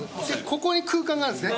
ここに空間があるんです。